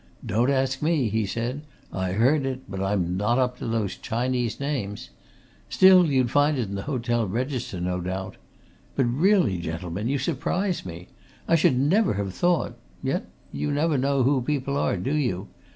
"Don't ask me!" he said. "I heard it, but I'm not up to those Chinese names. Still, you'd find it in the hotel register, no doubt. But really, gentlemen, you surprise me! I should never have thought yet, you never know who people are, do you?